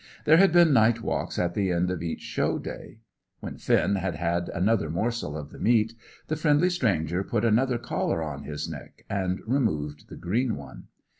There had been night walks at the end of each show day. When Finn had had another morsel of the meat, the friendly stranger put another collar on his neck, and removed the green one.